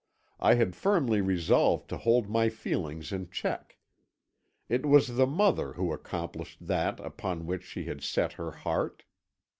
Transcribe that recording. I had firmly resolved to hold my feelings in check. It was the mother who accomplished that upon which she had set her heart.